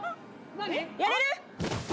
やれる？